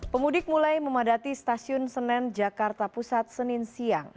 pemudik mulai memadati stasiun senen jakarta pusat senin siang